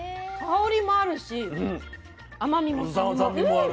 香りもあるし甘みも酸味も。